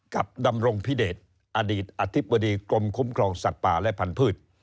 ดำรงพิเดชอดีตอธิบดีกรมคุ้มครองสัตว์ป่าและพันธุ์